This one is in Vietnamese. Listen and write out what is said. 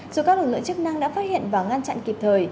dù các lực lượng chức năng đã phát hiện và ngăn chặn kịp thời